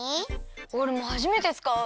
おれもはじめてつかう。